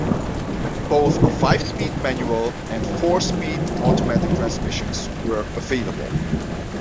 Both a five-speed manual and four-speed automatic transmissions were available.